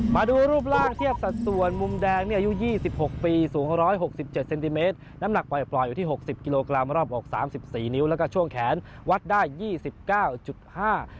มาดูรูปร่างเทียบสัดส่วนมุมแดงเนี่ยอายุยี่สิบหกปีสูงร้อยหกสิบเจ็ดเซนติเมตรน้ำหนักปล่อยปล่อยอยู่ที่หกสิบกิโลกรัมรอบอกสามสิบสี่นิ้วแล้วก็ช่วงแขนวัดได้ยี่สิบเก้าจุดห้า